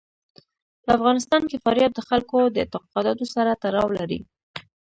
په افغانستان کې فاریاب د خلکو د اعتقاداتو سره تړاو لري.